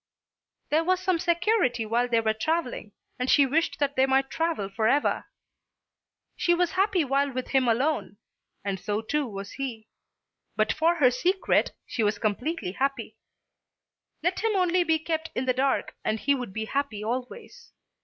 There was some security while they were travelling, and she wished that they might travel for ever. She was happy while with him alone; and so too was he. But for her secret she was completely happy. Let him only be kept in the dark and he would be happy always.